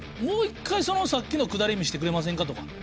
もう一回そのさっきのくだり見してくれませんかとか。